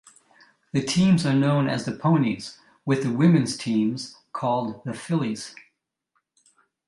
The teams are known as the Ponies, with the women's teams called the Fillies.